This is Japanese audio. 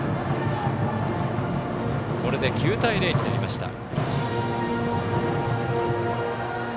これで９対０になりました。